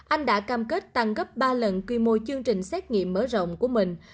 anh đã cam kết tăng gấp ba lần quy mô chương trình xét nghiệm mở rộng của mình